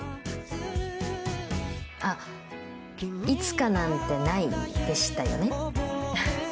あっいつかなんてないでしたよね？